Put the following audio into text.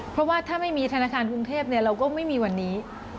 เพราะว่าถ้าไม่มีธนาคารกรุงเทพเราก็ไม่มีวันนี้